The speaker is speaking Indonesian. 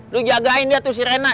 lu jagain dia tuh si rena